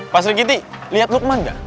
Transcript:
pak sri giti lihat lukman gak